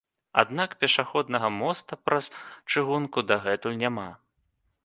Аднак, пешаходнага моста праз чыгунку дагэтуль няма.